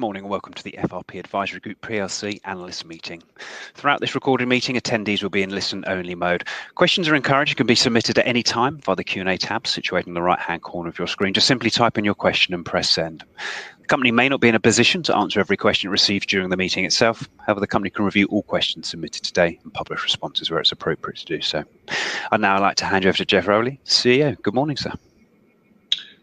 Good morning and welcome to the FRP Advisory Group plc analyst meeting. Throughout this recorded meeting, attendees will be in listen-only mode. Questions are encouraged. They can be submitted at any time via the Q&A tab situated in the right-hand corner of your screen. Just simply type in your question and press send. The company may not be in a position to answer every question it receives during the meeting itself. However, the company can review all questions submitted today and publish responses where it's appropriate to do so. And now I'd like to hand you over to Geoff Rowley, CEO. Good morning, sir.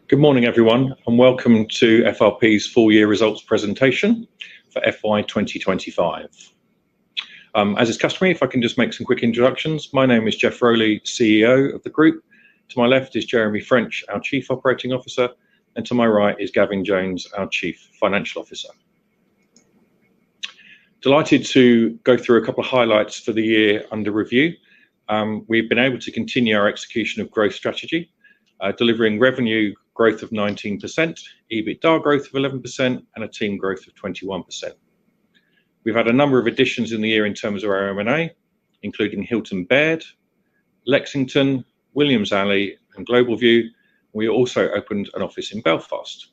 Good morning, everyone, and welcome to FRP's full-year results presentation for FY 2025. As is customary, if I can just make some quick introductions. My name is Geoff Rowley, CEO of the group. To my left is Jeremy French, our Chief Operating Officer, and to my right is Gavin Jones, our Chief Financial Officer. Delighted to go through a couple of highlights for the year under review. We've been able to continue our execution of growth strategy, delivering revenue growth of 19%, EBITDA growth of 11%, and a team growth of 21%. We've had a number of additions in the year in terms of our M&A, including Hilton-Baird, Lexington, WilliamsAli, and Globalview. We also opened an office in Belfast.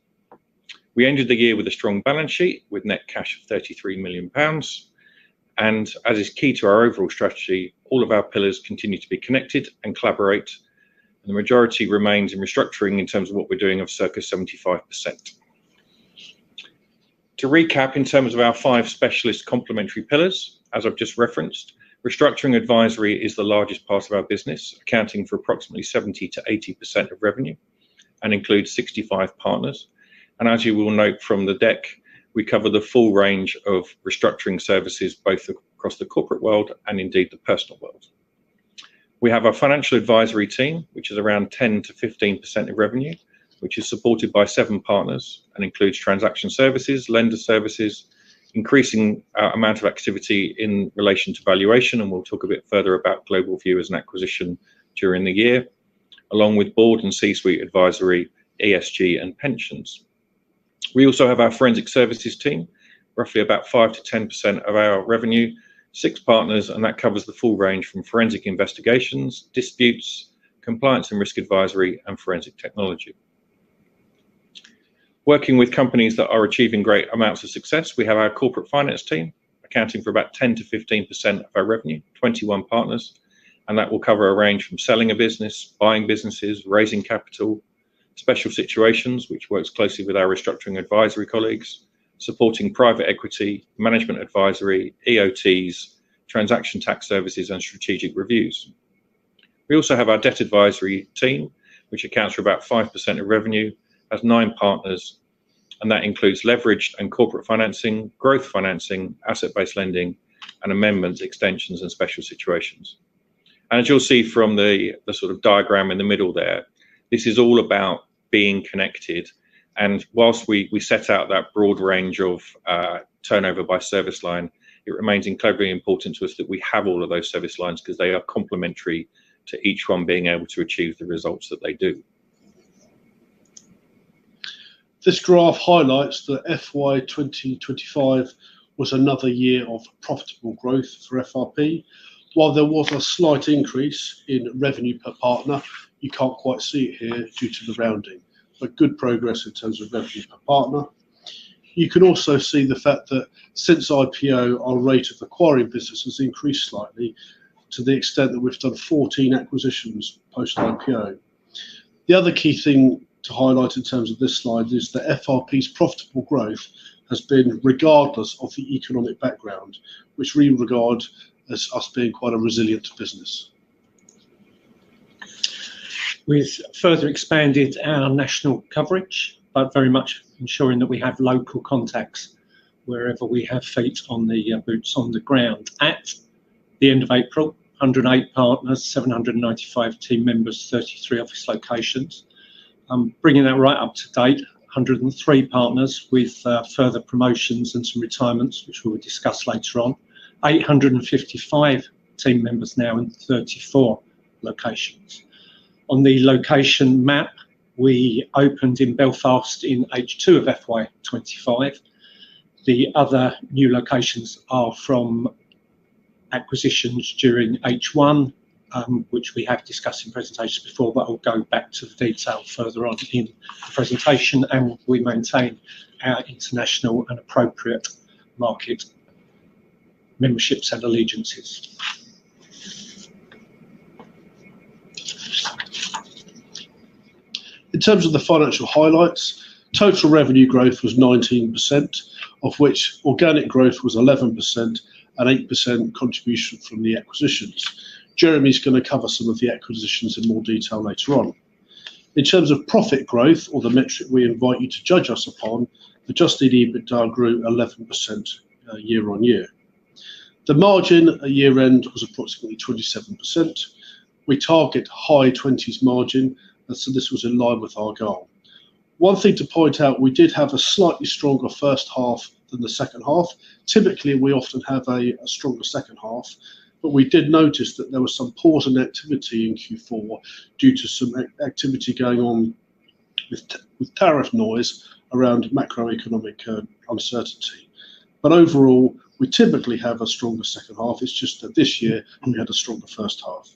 We ended the year with a strong balance sheet with net cash of 33 million pounds. And as is key to our overall strategy, all of our pillars continue to be connected and collaborate, and the majority remains in restructuring in terms of what we're doing of circa 75%. To recap in terms of our five specialist complementary pillars, as I've just referenced, Restructuring Advisory is the largest part of our business, accounting for approximately 70%-80% of revenue, and includes 65 partners, as you will note from the deck, we cover the full range of restructuring services both across the corporate world and indeed the personal world. We have a Financial Advisory team, which is around 10%-15% of revenue, which is supported by seven partners and includes transaction services, lender services, increasing amount of activity in relation to valuation, and we'll talk a bit further about Globalview as an acquisition during the year, along with board and C-suite advisory, ESG, and pensions. We also have our Forensic Services team, roughly about 5%-10% of our revenue, six partners, and that covers the full range from forensic investigations, disputes, compliance and risk advisory, and forensic technology. Working with companies that are achieving great amounts of success, we have our Corporate Finance team accounting for about 10%-15% of our revenue, 21 partners, and that will cover a range from selling a business, buying businesses, raising capital, special situations, which works closely with our Restructuring Advisory colleagues, supporting private equity, management advisory, EOTs, transaction tax services, and strategic reviews. We also have our Debt Advisory team, which accounts for about 5% of revenue, has nine partners, and that includes leveraged and corporate financing, growth financing, asset-based lending, and amendments, extensions, and special situations. And as you'll see from the sort of diagram in the middle there, this is all about being connected. While we set out that broad range of turnover by service line, it remains incredibly important to us that we have all of those service lines because they are complementary to each one being able to achieve the results that they do. This graph highlights that FY 2025 was another year of profitable growth for FRP. While there was a slight increase in revenue per partner, you can't quite see it here due to the rounding, but good progress in terms of revenue per partner. You can also see the fact that since IPO, our rate of acquiring business has increased slightly to the extent that we've done 14 acquisitions post-IPO. The other key thing to highlight in terms of this slide is that FRP's profitable growth has been regardless of the economic background, which we regard as us being quite a resilient business. We've further expanded our national coverage, but very much ensuring that we have local contacts wherever we have feet on the boots on the ground. At the end of April, 108 partners, 795 team members, 33 office locations. Bringing that right up to date, 103 partners with further promotions and some retirements, which we will discuss later on. 855 team members now in 34 locations. On the location map, we opened in Belfast in H2 of FY 2025. The other new locations are from acquisitions during H1, which we have discussed in presentations before, but I'll go back to the detail further on in the presentation, and we maintain our international and appropriate market memberships and allegiances. In terms of the financial highlights, total revenue growth was 19%, of which organic growth was 11%, an 8% contribution from the acquisitions. Jeremy's going to cover some of the acquisitions in more detail later on. In terms of profit growth, or the metric we invite you to judge us upon, adjusted EBITDA grew 11% year-on-year. The margin at year-end was approximately 27%. We target high 20s margin, and so this was in line with our goal. One thing to point out, we did have a slightly stronger first half than the second half. Typically, we often have a stronger second half, but we did notice that there was some pause in activity in Q4 due to some activity going on with tariff noise around macroeconomic uncertainty. But overall, we typically have a stronger second half. It's just that this year we had a stronger first half.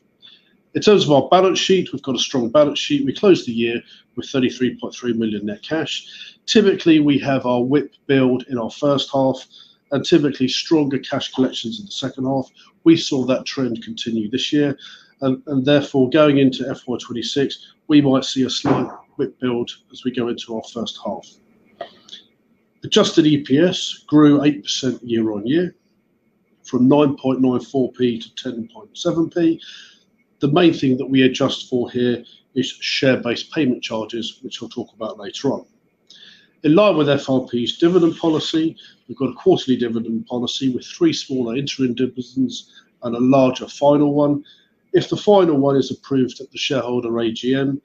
In terms of our balance sheet, we've got a strong balance sheet. We closed the year with 33.3 million net cash. Typically, we have our WIP build in our first half and typically stronger cash collections in the second half. We saw that trend continue this year, and therefore going into FY 2026, we might see a slight WIP build as we go into our first half. Adjusted EPS grew 8% year-on-year from 9.94p to 10.7p. The main thing that we adjust for here is share-based payment charges, which I'll talk about later on. In line with FRP's dividend policy, we've got a quarterly dividend policy with three smaller interim dividends and a larger final one. If the final one is approved at the shareholder AGM,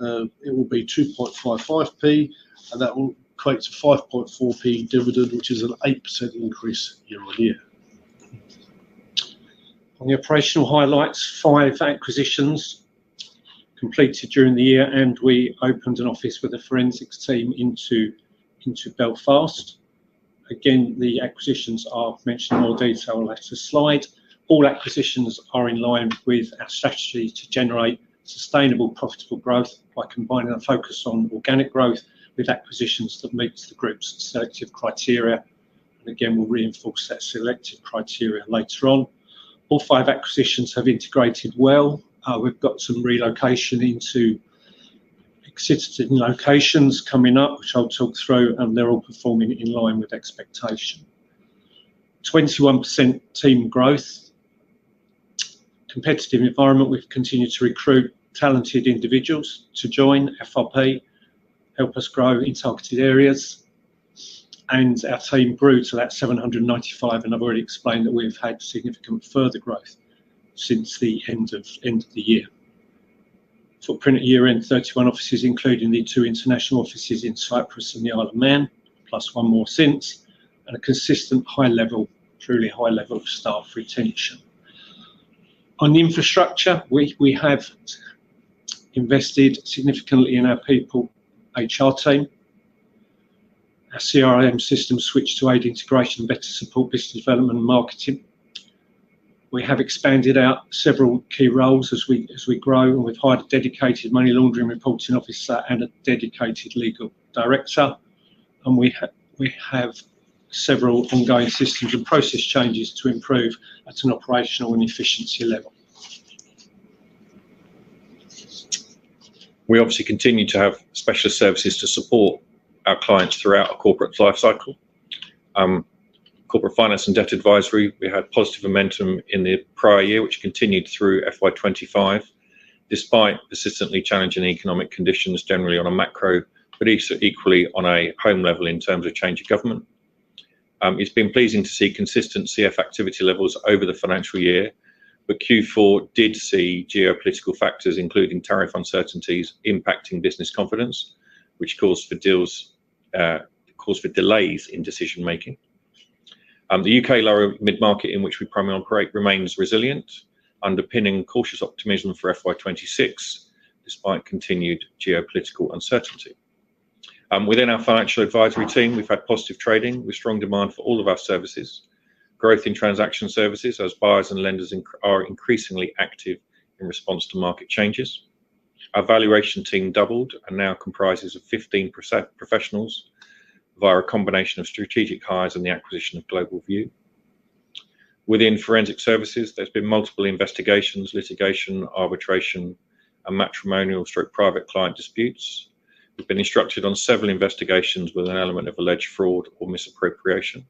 it will be 2.55p, and that will equate to 5.4p dividend, which is an 8% increase year-on-year. On the operational highlights, five acquisitions completed during the year, and we opened an office with a forensics team into Belfast. Again, the acquisitions are mentioned in more detail in the latter slide. All acquisitions are in line with our strategy to generate sustainable profitable growth by combining a focus on organic growth with acquisitions that meet the group's selective criteria. And again, we'll reinforce that selective criteria later on. All five acquisitions have integrated well. We've got some relocation into existing locations coming up, which I'll talk through, and they're all performing in line with expectation. 21% team growth. Competitive environment. We've continued to recruit talented individuals to join FRP, help us grow in targeted areas, and our team grew to that 795. And I've already explained that we've had significant further growth since the end of the year. Footprint at year-end: 31 offices, including the two international offices in Cyprus and the Isle of Man, plus one more since, and a consistent high level, truly high level of staff retention. On infrastructure, we have invested significantly in our people HR team. Our CRM system switched to AD integration to better support business development and marketing. We have expanded our several key roles as we grow, and we've hired a dedicatedMoney Laundering Reporting Officer and a dedicated Legal Director. We have several ongoing systems and process changes to improve at an operational and efficiency level. We obviously continue to have specialist services to support our clients throughout our corporate life cycle. Corporate finance and Debt Advisory, we had positive momentum in the prior year, which continued through FY 2025, despite persistently challenging economic conditions generally on a macro, but equally on a home level in terms of change of government. It's been pleasing to see consistent CF activity levels over the financial year, but Q4 did see geopolitical factors, including tariff uncertainties, impacting business confidence, which caused for delays in decision-making. The U.K. lower mid-market in which we primarily operate remains resilient, underpinning cautious optimism for FY 2026 despite continued geopolitical uncertainty. Within our Financial Advisory team, we've had positive trading with strong demand for all of our services. Growth in transaction services as buyers and lenders are increasingly active in response to market changes. Our valuation team doubled and now comprises 15 professionals via a combination of strategic hires and the acquisition of Globalview. Within Forensic Services, there's been multiple investigations, litigation, arbitration, and matrimonial/private client disputes. We've been instructed on several investigations with an element of alleged fraud or misappropriation.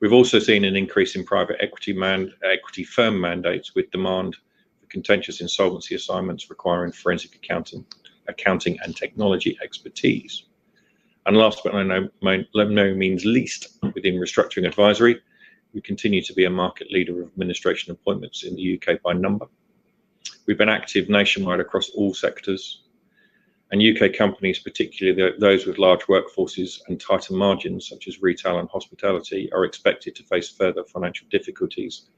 We've also seen an increase in private equity firm mandates with demand for contentious insolvency assignments requiring forensic accounting and technology expertise. Last but not least, within Restructuring Advisory, we continue to be a market leader of administration appointments in the U.K. by number. We've been active nationwide across all sectors, and U.K. companies, particularly those with large workforces and tighter margins such as retail and hospitality, are expected to face further financial difficulties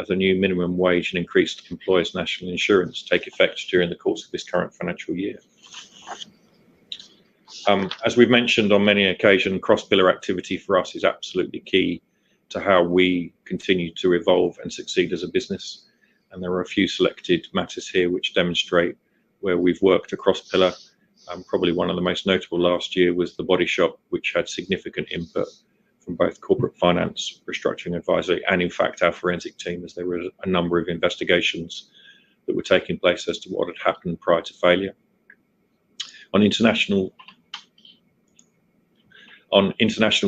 as a new minimum wage and increased employers' national insurance take effect during the course of this current financial year. As we've mentioned on many occasions, cross-pillar activity for us is absolutely key to how we continue to evolve and succeed as a business. And there are a few selected matters here which demonstrate where we've worked across pillar. Probably one of the most notable last year was The Body Shop, which had significant input from both Corporate Finance, Restructuring Advisory, and in fact, our forensic team as there were a number of investigations that were taking place as to what had happened prior to failure. On International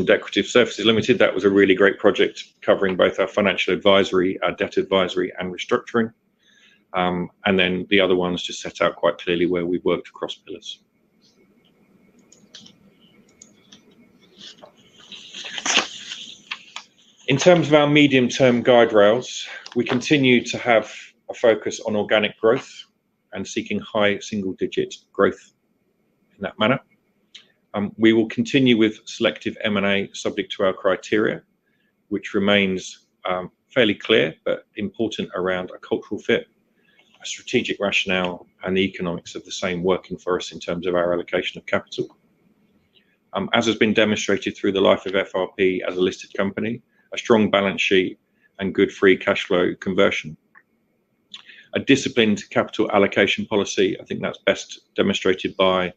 Decorative Services Limited, that was a really great project covering both our Financial Advisory, our Debt Advisory, and restructuring. And then the other ones just set out quite clearly where we've worked across pillars. In terms of our medium-term guide rails, we continue to have a focus on organic growth and seeking high single-digit growth in that manner. We will continue with selective M&A subject to our criteria, which remains fairly clear but important around a cultural fit, a strategic rationale, and the economics of the same working for us in terms of our allocation of capital. As has been demonstrated through the life of FRP as a listed company, a strong balance sheet and good free cash flow conversion, a disciplined capital allocation policy. I think that's best demonstrated by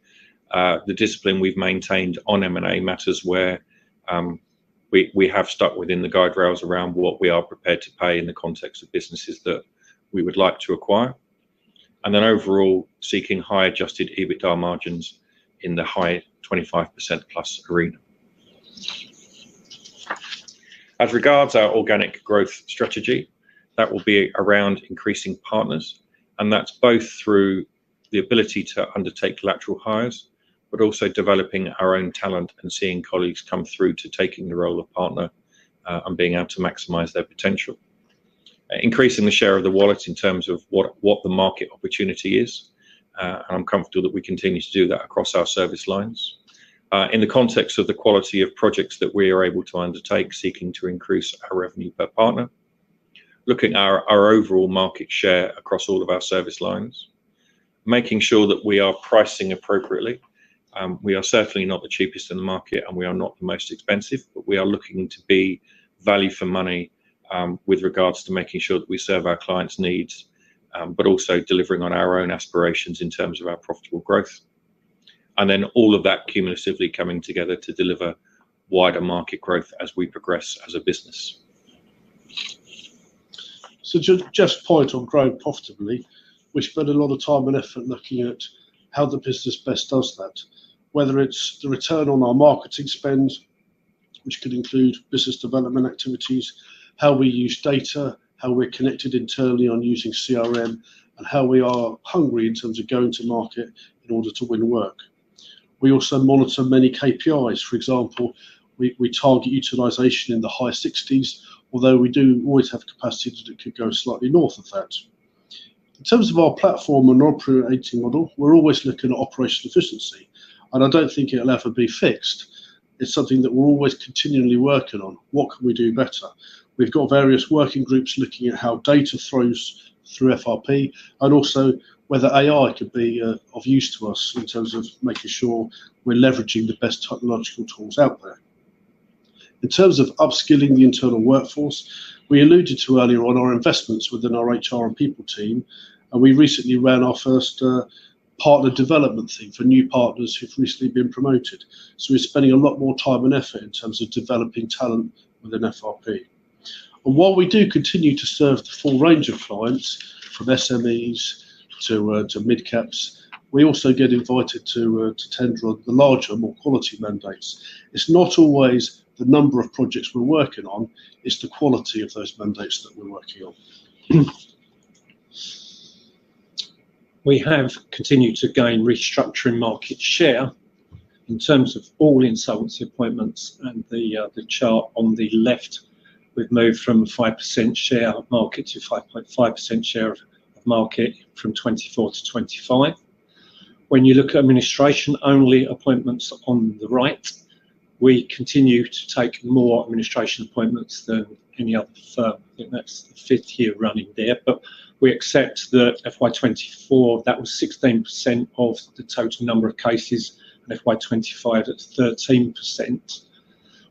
the discipline we've maintained on M&A matters where we have stuck within the guide rails around what we are prepared to pay in the context of businesses that we would like to acquire, and then overall, seeking high Adjusted EBITDA margins in the high 25% plus arena. As regards our organic growth strategy, that will be around increasing partners, and that's both through the ability to undertake lateral hires, but also developing our own talent and seeing colleagues come through to taking the role of partner and being able to maximize their potential. Increasing the share of the wallet in terms of what the market opportunity is, and I'm comfortable that we continue to do that across our service lines. In the context of the quality of projects that we are able to undertake, seeking to increase our revenue per partner. Looking at our overall market share across all of our service lines. Making sure that we are pricing appropriately. We are certainly not the cheapest in the market, and we are not the most expensive, but we are looking to be value for money with regards to making sure that we serve our clients' needs, but also delivering on our own aspirations in terms of our profitable growth. And then all of that cumulatively coming together to deliver wider market growth as we progress as a business. So Just on to just point on growing profitably, we spend a lot of time and effort looking at how the business best does that, whether it's the return on our marketing spend, which could include business development activities, how we use data, how we're connected internally on using CRM, and how we are hungry in terms of going to market in order to win work. We also monitor many KPIs. For example, we target utilization in the high 60s, although we do always have capacity that could go slightly north of that. In terms of our platform and operating model, we're always looking at operational efficiency, and I don't think it'll ever be fixed. It's something that we're always continually working on. What can we do better? We've got various working groups looking at how data flows through FRP and also whether AI could be of use to us in terms of making sure we're leveraging the best technological tools out there. In terms of upskilling the internal workforce, we alluded to earlier on our investments within our HR and people team, and we recently ran our first partner development thing for new partners who've recently been promoted. So we're spending a lot more time and effort in terms of developing talent within FRP. And while we do continue to serve the full range of clients, from SMEs to mid-caps, we also get invited to tender on the larger, more quality mandates. It's not always the number of projects we're working on. It's the quality of those mandates that we're working on. We have continued to gain restructuring market share in terms of all insolvency appointments, and the chart on the left, we've moved from a 5% share of market to 5.5% share of market from 2024 to 2025. When you look at administration-only appointments on the right, we continue to take more administration appointments than any other firm. I think that's the fifth year running there, but we accept that FY 2024, that was 16% of the total number of cases, and FY 2025, that's 13%.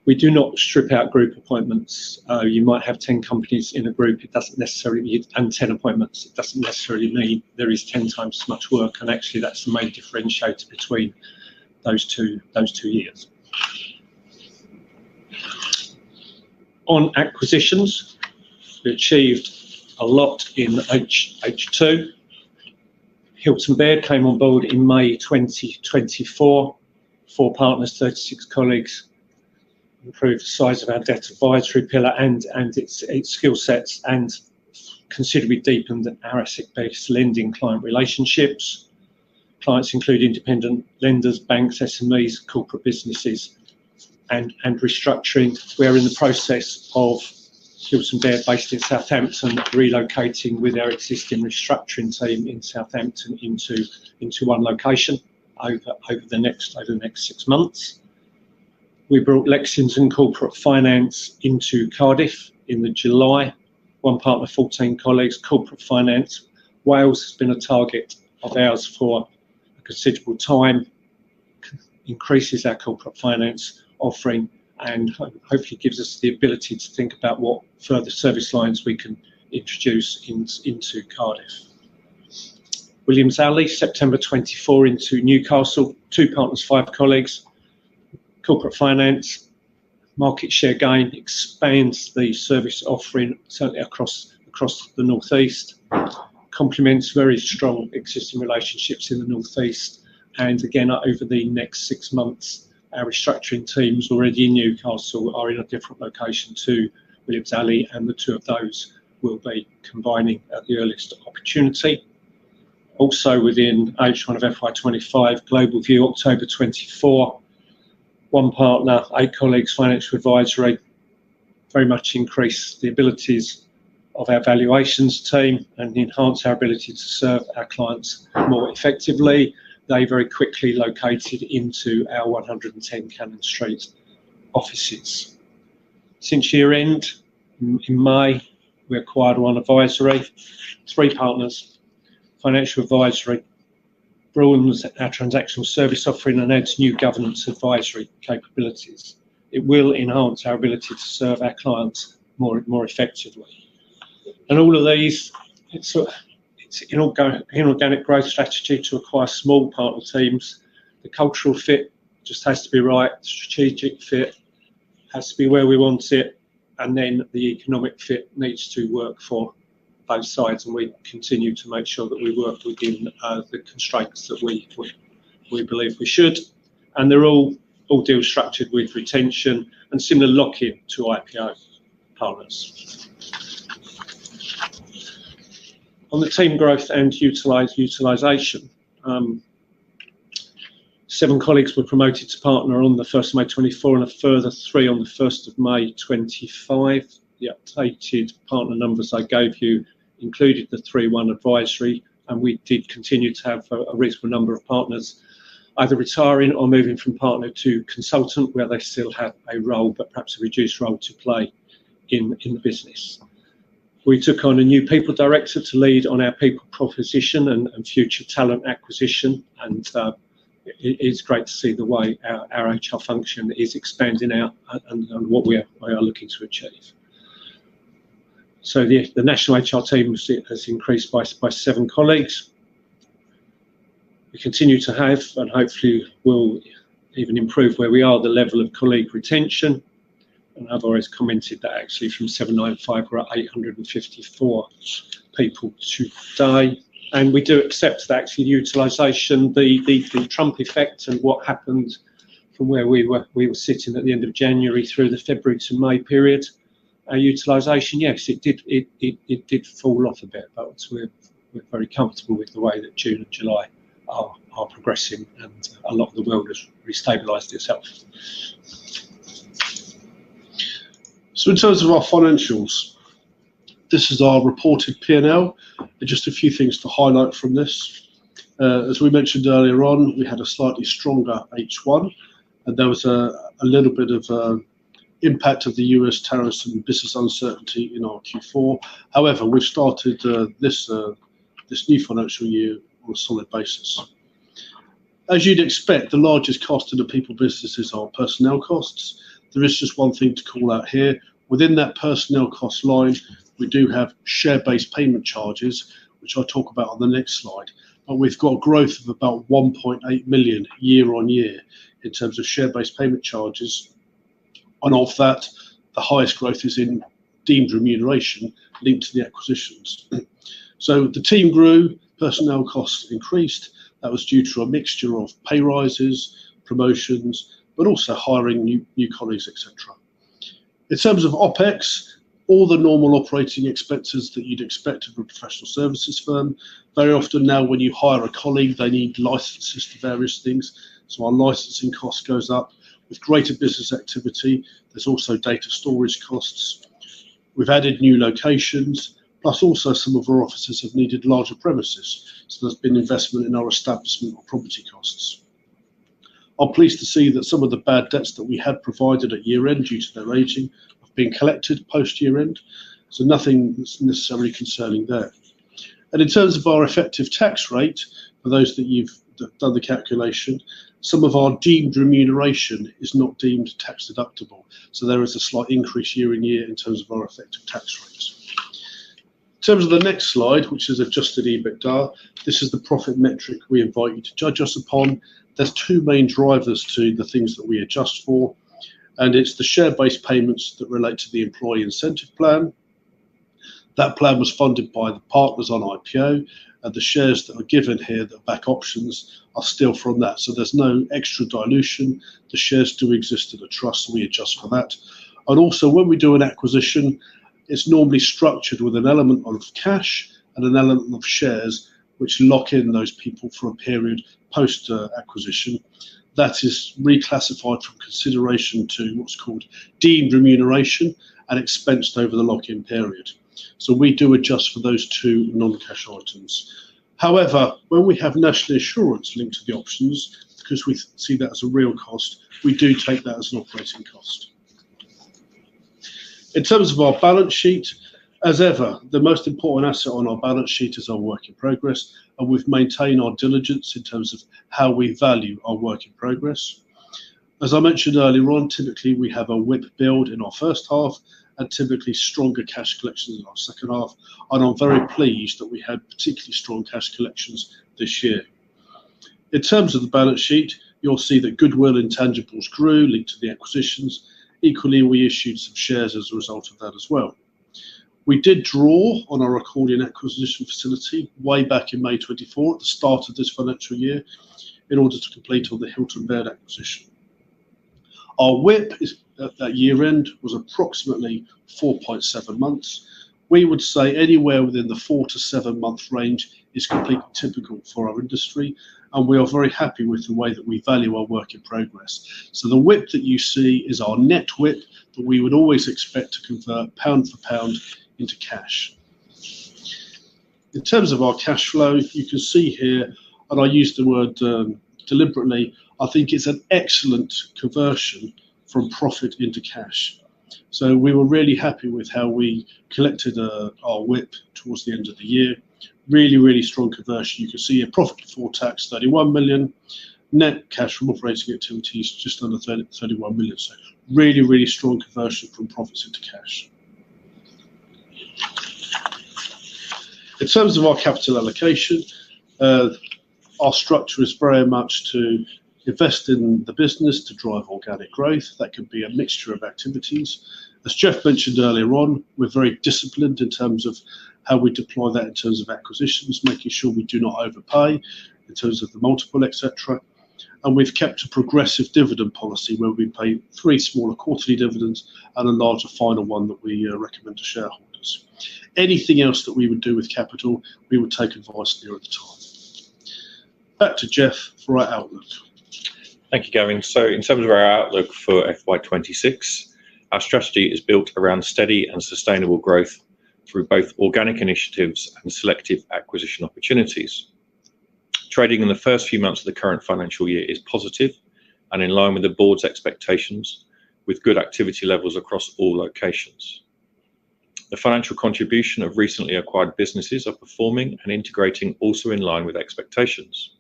We do not strip out group appointments. You might have 10 companies in a group. It doesn't necessarily mean 10 appointments. It doesn't necessarily mean there is 10 times as much work, and actually, that's the main differentiator between those two years. On acquisitions, we achieved a lot in H2. Hilton-Baird came on board in May 2024. Four partners, 36 colleagues, improved the size of our Debt Advisory pillar and its skill sets, and considerably deepened our asset-based lending client relationships. Clients include independent lenders, banks, SMEs, corporate businesses, and restructuring. We are in the process of Hilton-Baird, based in Southampton, relocating with our existing restructuring team in Southampton into one location over the next six months. We brought Lexington Corporate Finance into Cardiff in July. One partner, 14 colleagues, Corporate Finance. Wales has been a target of ours for a considerable time, increases our Corporate Finance offering, and hopefully gives us the ability to think about what further service lines we can introduce into Cardiff. WilliamsAli, September 24, 2024, into Newcastle. Two partners, five colleagues. Corporate Finance, market share gain, expands the service offering certainly across the Northeast, complements very strong existing relationships in the Northeast. Again, over the next six months, our restructuring teams already in Newcastle are in a different location to WilliamsAli, and the two of those will be combining at the earliest opportunity. Also within H1 of FY 25, Globalview, October 24. One partner, eight colleagues, Financial Advisory, very much increased the abilities of our valuations team and enhanced our ability to serve our clients more effectively. They very quickly located into our 110 Cannon Street offices. Since year-end, in May, we acquired ONE Advisory, three partners, Financial Advisory, broadened our transactional service offering, and added new governance advisory capabilities. It will enhance our ability to serve our clients more effectively. All of these, it's an inorganic growth strategy to acquire small partner teams. The cultural fit just has to be right. The strategic fit has to be where we want it, and then the economic fit needs to work for both sides, and we continue to make sure that we work within the constraints that we believe we should, and they're all deals structured with retention and similar lock-in to IPO partners. On the team growth and utilization, seven colleagues were promoted to partner on the 1st of May 2024 and a further three on the 1st of May 2025. The updated partner numbers I gave you included the ONE Advisory, and we did continue to have a reasonable number of partners either retiring or moving from partner to consultant, where they still have a role, but perhaps a reduced role to play in the business. We took on a new People Director to lead on our people proposition and future talent acquisition, and it's great to see the way our HR function is expanding and what we are looking to achieve. So the national HR team has increased by seven colleagues. We continue to have and hopefully will even improve where we are, the level of colleague retention. And I've always commented that actually from 795, we're at 854 people today. And we do accept that actually the utilization, the Trump effect and what happened from where we were sitting at the end of January through the February to May period, our utilization, yes, it did fall off a bit, but we're very comfortable with the way that June and July are progressing, and a lot of the world has re-stabilized itself. So in terms of our financials, this is our reported P&L. Just a few things to highlight from this. As we mentioned earlier on, we had a slightly stronger H1, and there was a little bit of impact of the U.S. tariffs and business uncertainty in our Q4. However, we've started this new financial year on a solid basis. As you'd expect, the largest cost in the people businesses are personnel costs. There is just one thing to call out here. Within that personnel cost line, we do have share-based payment charges, which I'll talk about on the next slide. But we've got a growth of about 1.8 million year on year in terms of share-based payment charges. And of that, the highest growth is in deemed remuneration linked to the acquisitions. So the team grew, personnel costs increased. That was due to a mixture of pay raises, promotions, but also hiring new colleagues, etc. In terms of OpEx, all the normal operating expenses that you'd expect of a professional services firm. Very often now, when you hire a colleague, they need licenses for various things. So our licensing cost goes up. With greater business activity, there's also data storage costs. We've added new locations, plus also some of our offices have needed larger premises. So there's been investment in our establishment or property costs. I'm pleased to see that some of the bad debts that we had provided at year-end due to their aging have been collected post-year-end. So nothing that's necessarily concerning there. And in terms of our effective tax rate, for those that you've done the calculation, some of our deemed remuneration is not deemed tax deductible. There is a slight increase year in year in terms of our effective tax rates. In terms of the next slide, which is Adjusted EBITDA, this is the profit metric we invite you to judge us upon. There's two main drivers to the things that we adjust for, and it's the share-based payments that relate to the employee incentive plan. That plan was funded by the partners on IPO, and the shares that are given here that are back options are still from that. So there's no extra dilution. The shares do exist in a trust, and we adjust for that. And also, when we do an acquisition, it's normally structured with an element of cash and an element of shares, which lock in those people for a period post-acquisition. That is reclassified from consideration to what's called Deemed Remuneration and expensed over the lock-in period. So we do adjust for those two non-cash items. However, when we have national insurance linked to the options, because we see that as a real cost, we do take that as an operating cost. In terms of our balance sheet, as ever, the most important asset on our balance sheet is our work in progress, and we've maintained our diligence in terms of how we value our work in progress. As I mentioned earlier on, typically we have a WIP build in our first half and typically stronger cash collections in our second half. And I'm very pleased that we had particularly strong cash collections this year. In terms of the balance sheet, you'll see that goodwill intangibles grew linked to the acquisitions. Equally, we issued some shares as a result of that as well. We did draw on our accordion acquisition facility way back in May 2024, at the start of this financial year, in order to complete on the Hilton-Baird acquisition. Our WIP at that year-end was approximately 4.7 months. We would say anywhere within the four- to seven-month range is completely typical for our industry, and we are very happy with the way that we value our work in progress. So the WIP that you see is our net WIP that we would always expect to convert pound for pound into cash. In terms of our cash flow, you can see here, and I use the word deliberately, I think it's an excellent conversion from profit into cash. So we were really happy with how we collected our WIP towards the end of the year. Really, really strong conversion. You can see a profit before tax of 31 million, net cash from operating activities just under 31 million. So really, really strong conversion from profits into cash. In terms of our capital allocation, our structure is very much to invest in the business to drive organic growth. That could be a mixture of activities. As Geoff mentioned earlier on, we're very disciplined in terms of how we deploy that in terms of acquisitions, making sure we do not overpay in terms of the multiple, etc. And we've kept a progressive dividend policy where we pay three smaller quarterly dividends and a larger final one that we recommend to shareholders. Anything else that we would do with capital, we would take advice here at the time. Back to Geoff for our outlook. Thank you, Gavin. So in terms of our outlook for FY 2026, our strategy is built around steady and sustainable growth through both organic initiatives and selective acquisition opportunities. Trading in the first few months of the current financial year is positive and in line with the board's expectations, with good activity levels across all locations. The financial contribution of recently acquired businesses are performing and integrating also in line with expectations.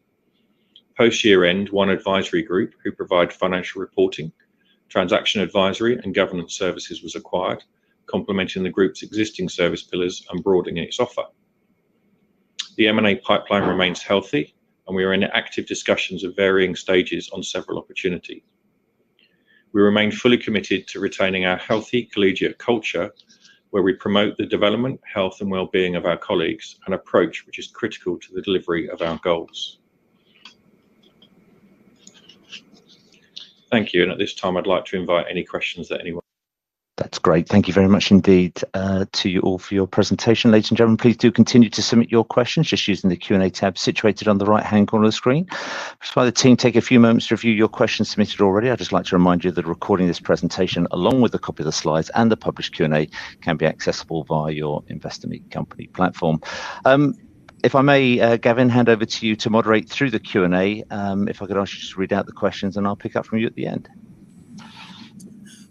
Post-year-end, ONE Advisory Group who provides financial reporting, transaction advisory, and governance services was acquired, complementing the group's existing service pillars and broadening its offer. The M&A pipeline remains healthy, and we are in active discussions at varying stages on several opportunities. We remain fully committed to retaining our healthy collegiate culture, where we promote the development, health, and well-being of our colleagues, an approach which is critical to the delivery of our goals. Thank you. At this time, I'd like to invite any questions that anyone. That's great. Thank you very much indeed to you all for your presentation. Ladies and gentlemen, please do continue to submit your questions just using the Q&A tab situated on the right-hand corner of the screen. Just let the team take a few moments to review your questions submitted already. I'd just like to remind you that recording this presentation, along with a copy of the slides and the published Q&A, can be accessible via your Investor Meet Company platform. If I may, Gavin, hand over to you to moderate through the Q&A. If I could ask you to just read out the questions, and I'll pick up from you at the end.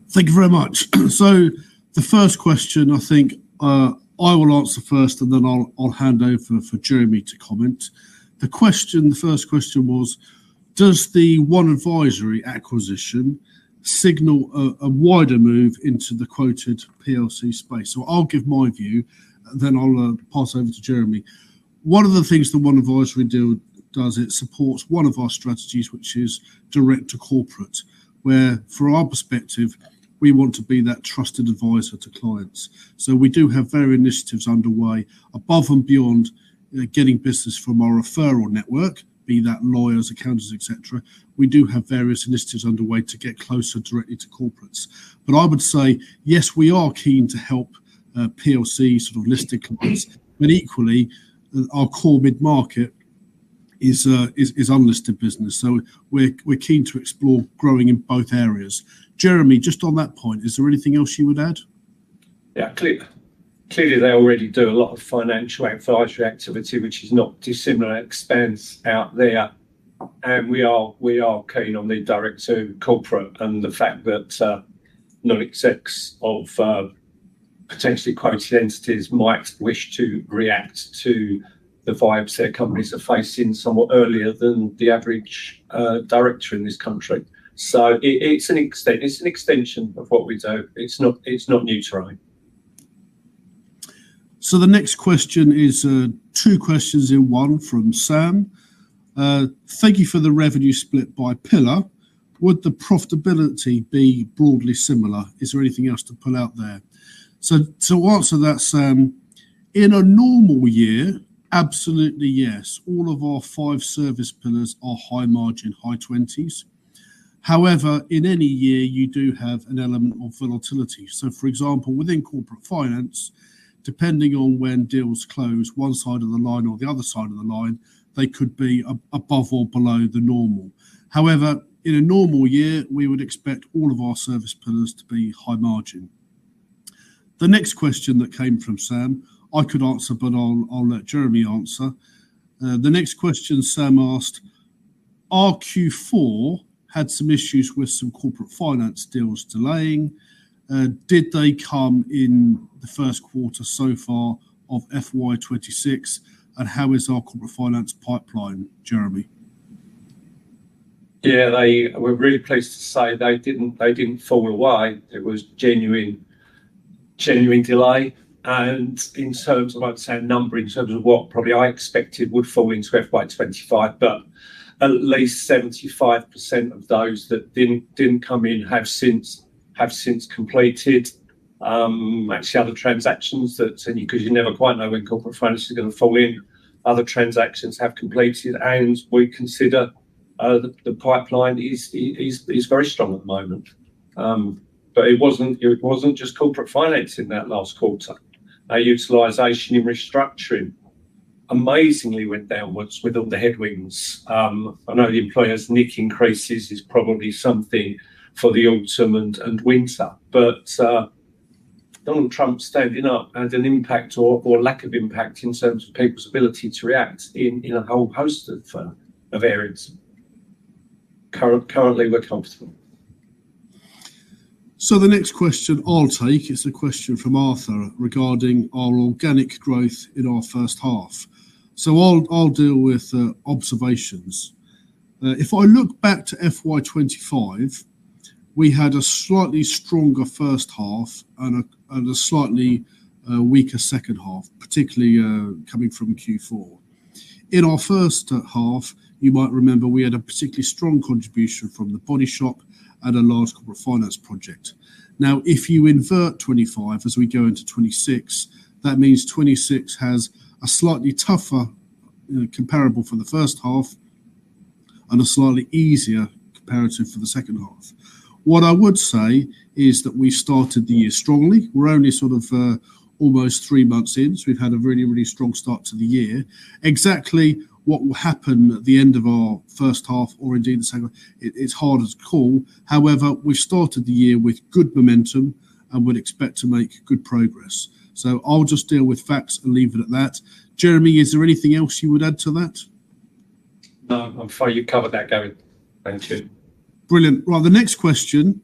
Thank you very much, so the first question, I think I will answer first, and then I'll hand over for Jeremy to comment. The first question was, "Does the ONE Advisory acquisition signal a wider move into the quoted PLC space?" so I'll give my view, and then I'll pass over to Jeremy. One of the things the ONE Advisory deal does, it supports one of our strategies, which is direct to corporate, where from our perspective, we want to be that trusted advisor to clients, so we do have various initiatives underway above and beyond getting business from our referral network, be that lawyers, accountants, etc. We do have various initiatives underway to get closer directly to corporates, but I would say, yes, we are keen to help PLC sort of listed clients, but equally, our core mid-market is unlisted business. So we're keen to explore growing in both areas. Jeremy, just on that point, is there anything else you would add? Yeah, clearly, they already do a lot of Financial Advisory activity, which is not dissimilar to what's out there, and we are keen on the direct-to-corporate and the fact that non-execs of potentially quoted entities might wish to react to the vibes that companies are facing somewhat earlier than the average director in this country, so it's an extension of what we do. It's not new to us. The next question is two questions in one from Sam. Thank you for the revenue split by pillar. Would the profitability be broadly similar? Is there anything else to pull out there? To answer that, Sam, in a normal year, absolutely yes. All of our five service pillars are high margin, high 20s. However, in any year, you do have an element of volatility. For example, within Corporate Finance, depending on when deals close one side of the line or the other side of the line, they could be above or below the normal. However, in a normal year, we would expect all of our service pillars to be high margin. The next question that came from Sam, I could answer, but I'll let Jeremy answer. The next question Sam asked, our Q4 had some issues with some Corporate Finance deals delaying. Did they come in the first quarter so far of FY 26? And how is our Corporate Finance pipeline, Jeremy? Yeah, we're really pleased to say they didn't fall away. There was genuine delay. And in terms of, I'd say, a number in terms of what probably I expected would fall into FY 25, but at least 75% of those that didn't come in have since completed. Actually, other transactions that, because you never quite know when Corporate Finance is going to fall in, other transactions have completed. And we consider the pipeline is very strong at the moment. But it wasn't just Corporate Finance in that last quarter. Our utilization in restructuring amazingly went downward with all the headwinds. I know the employer's NIC increases is probably something for the autumn and winter, but Donald Trump standing up had an impact or lack of impact in terms of people's ability to react in a whole host of areas. Currently, we're comfortable. The next question I'll take is a question from Arthur regarding our organic growth in our first half. I'll deal with observations. If I look back to FY 2025, we had a slightly stronger first half and a slightly weaker second half, particularly coming from Q4. In our first half, you might remember we had a particularly strong contribution from The Body Shop and a large Corporate Finance project. Now, if you invert 2025 as we go into 2026, that means 2026 has a slightly tougher comparable for the first half and a slightly easier comparative for the second half. What I would say is that we started the year strongly. We're only sort of almost three months in, so we've had a really, really strong start to the year. Exactly what will happen at the end of our first half or indeed the second half, it's hard to call. However, we've started the year with good momentum and would expect to make good progress. So I'll just deal with facts and leave it at that. Jeremy, is there anything else you would add to that? No, I'm fine, you covered that, Gavin. Thank you. Brilliant. Right, the next question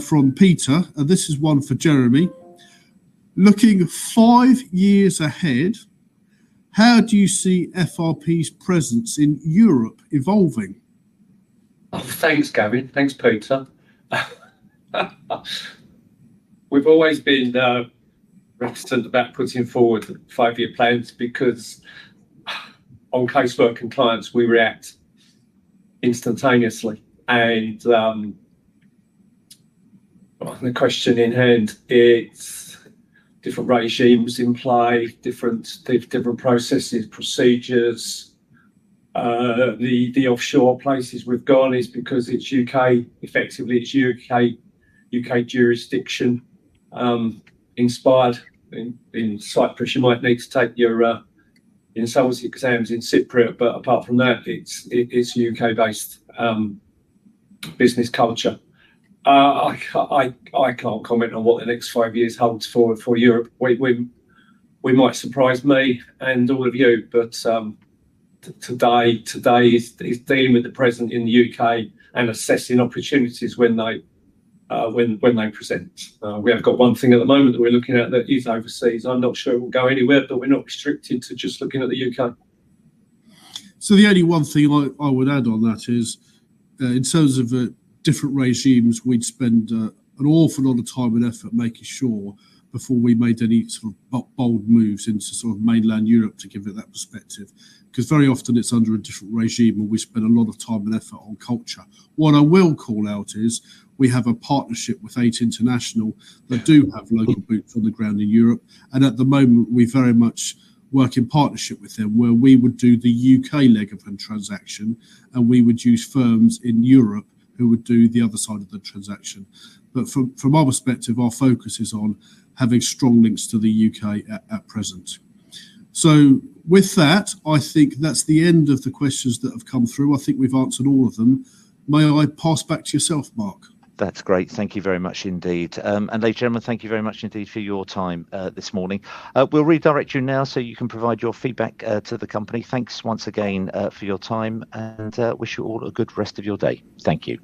from Peter. This is one for Jeremy. Looking five years ahead, how do you see FRP's presence in Europe evolving? Thanks, Gavin. Thanks, Peter. We've always been reticent about putting forward five-year plans because on close working clients, we react instantaneously. And the question in hand, it's different regimes imply, different processes, procedures. The offshore places we've gone is because it's U.K., effectively it's U.K. jurisdiction inspired. In Cyprus, you might need to take your insolvency exams in Cypriot, but apart from that, it's U.K.-based business culture. I can't comment on what the next five years holds for Europe. We might surprise me and all of you, but today is dealing with the present in the U.K. and assessing opportunities when they present. We have got one thing at the moment that we're looking at that is overseas. I'm not sure it will go anywhere, but we're not restricted to just looking at the U.K. The only one thing I would add on that is in terms of different regimes, we'd spend an awful lot of time and effort making sure before we made any sort of bold moves into sort of mainland Europe to give it that perspective. Because very often it's under a different regime and we spend a lot of time and effort on culture. What I will call out is we have a partnership with Eight International that do have local boots on the ground in Europe. And at the moment, we very much work in partnership with them where we would do the U.K. leg of a transaction and we would use firms in Europe who would do the other side of the transaction. But from our perspective, our focus is on having strong links to the U.K. at present. So with that, I think that's the end of the questions that have come through. I think we've answered all of them. May I pass back to yourself, Mark? That's great. Thank you very much indeed. And ladies and gentlemen, thank you very much indeed for your time this morning. We'll redirect you now so you can provide your feedback to the company. Thanks once again for your time and wish you all a good rest of your day. Thank you.